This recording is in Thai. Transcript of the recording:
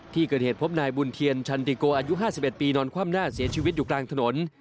ที่เกิดเหตุพบนายบุญเทียนชันติโกอายุ๕๑ปีนอนคว่ำหน้าเสียชีวิตอยู่กลางถนน